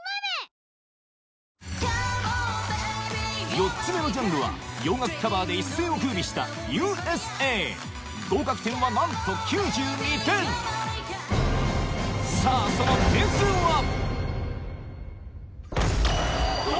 ４つ目のジャンルは洋楽カバーで一世を風靡した『Ｕ．Ｓ．Ａ』合格点はなんと９２点さぁその点数はお！